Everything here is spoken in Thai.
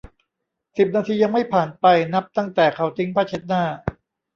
สิบนาทียังไม่ผ่านไปนับตั้งแต่เขาทิ้งผ้าเช็ดหน้า